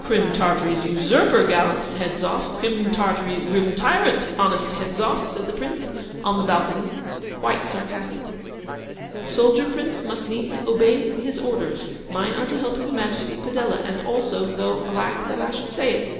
'Crim Tartary's usurper, gallant Hedzoff! Crim Tartary's grim tyrant, honest Hedzoff!' said the Prince, on the balcony, quite sarcastically. 'A soldier, Prince, must needs obey his orders: mine are to help His Majesty Padella. And also (though alack that I should say it!)